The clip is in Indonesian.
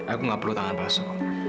aku gak perlu tangan palsu